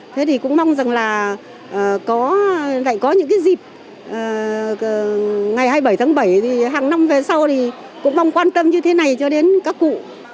thế thì cũng mong rằng là có những cái dịp ngày hai mươi bảy tháng bảy thì hàng năm về sau thì cũng mong quan tâm như thế này cho đến các cụ